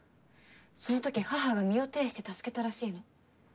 そのとき母が身を挺して助けたらしいの。